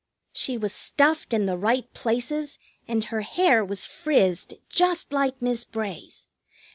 She was stuffed in the right places, and her hair was frizzed just like Miss Bray's.